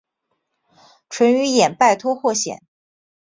淳于衍拜托霍显。